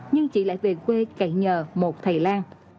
nhưng chị lại về quê cậy nhờ một thầy lan